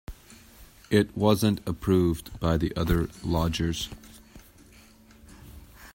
It wasn't approved by the other lodgers.